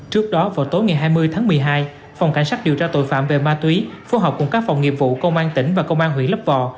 trước đó vào tối ngày hai mươi tháng một mươi hai phòng cảnh sát điều tra tội phạm về ma túy phối hợp cùng các phòng nghiệp vụ công an tỉnh và công an huyện lấp vò